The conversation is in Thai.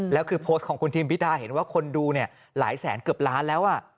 แล้วโพสต์หาคุณทีมพิฏาเห็นว่าคนดูหลายแสนเกือบล้านแล้ว